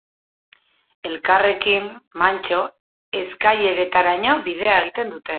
Elkarrekin, mantso, eskaileretaraino bidea egiten dute.